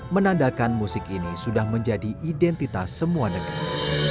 menandakan musik ini sudah menjadi identitas semua negara